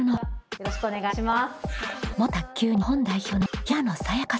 よろしくお願いします。